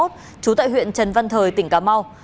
trú tại huyện trần văn thời tỉnh cà mau